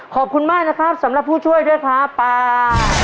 ขอบคุณมากนะครับสำหรับผู้ช่วยด้วยครับป้า